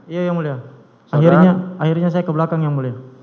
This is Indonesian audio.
iya yang mulia akhirnya saya ke belakang yang mulia